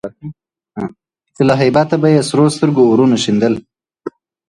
چي له هیبته به یې سرو سترگو اورونه شیندل”